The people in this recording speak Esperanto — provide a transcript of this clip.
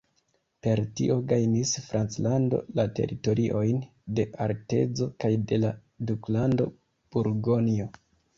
Per tio gajnis Franclando la teritoriojn de Artezo kaj de la Duklando Burgonjo.